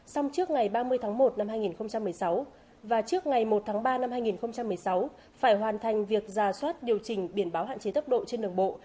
xong trước ngày ba mươi tháng một năm hai nghìn một mươi sáu và trước ngày một tháng ba năm hai nghìn một mươi sáu phải hoàn thành việc ra soát điều chỉnh biển báo hạn chế tốc độ trên đường bộ